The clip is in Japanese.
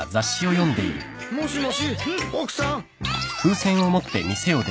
もしもし奥さん。